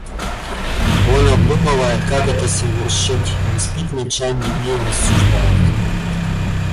Он обдумывает, как это совершить, не спит ночами и рассуждает.